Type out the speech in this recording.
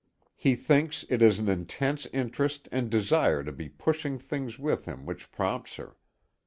He thinks it is an intense interest and desire to be pushing things with him which prompts her.